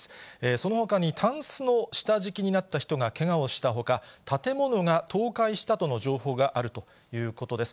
そのほかにたんすの下敷きになった人がけがをしたほか、建物が倒壊したとの情報があるということです。